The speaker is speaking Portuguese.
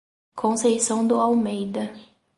Conceição do Almeida